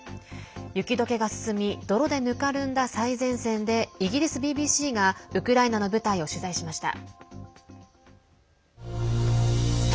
雪どけが進み泥で、ぬかるんだ最前線でイギリスＢＢＣがウクライナの部隊を取材しました。